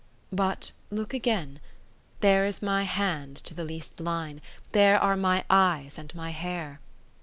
But, look again: there is my hand to the least line, there are my eyes and my hair.